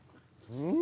うん。